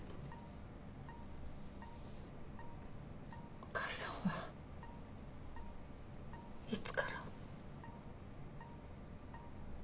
お義母さんはいつから？